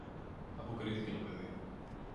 αποκρίθηκε το παιδί.